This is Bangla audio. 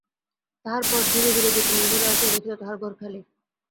তাহার পর ধীরে ধীরে যতীনের ঘরে আসিয়া দেখিল, তাহার ঘর খালি।